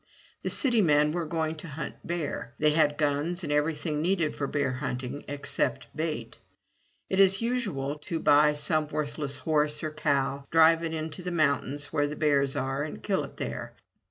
The city men were going to hunt bear. They had guns and everything needed for bear hunting, except bait. It is usual to buy some worthless horse or cow, drive it into the mountains where the bears are, and kill it there.